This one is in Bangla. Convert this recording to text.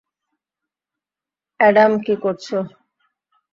অ্যাডাম, কী করছো?